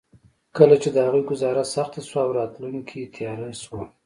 کله چې د هغوی ګوزاره سخته شوه او راتلونکې تياره شوه.